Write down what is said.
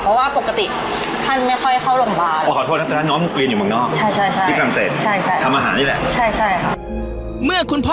โอเรอ